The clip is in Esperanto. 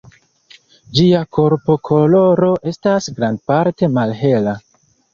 Ĝia korpokoloro estas grandparte malhela.